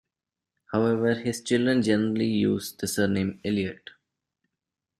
However, his children generally used the surname Eliot.